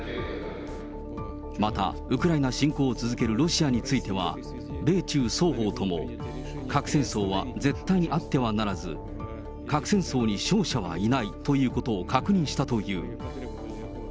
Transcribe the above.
また、ウクライナ侵攻を続けるロシアについては、米中双方とも、核戦争は絶対あってはならず、核戦争に勝者はいないということを確認したという。